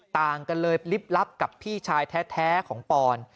ต่างกันเลยลิบลับกับพี่ชายแท้ของปอน